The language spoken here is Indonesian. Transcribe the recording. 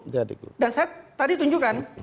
dan saya tadi tunjukkan